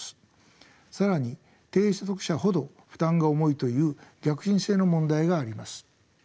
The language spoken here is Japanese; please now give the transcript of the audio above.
更に低所得者ほど負担が重いという逆進性の問題があります。